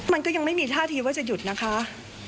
มันก็ยังไม่มีท่าทีว่าจะหยุดนะคะ